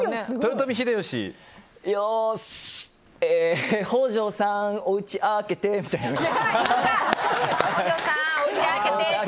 よし、北条さんおうち開けてみたいな。